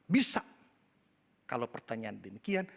bisa kalau pertanyaan demikian